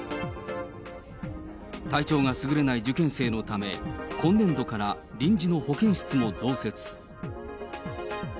体調がすぐれない受験生のため、今年度から臨時の保健室も増設。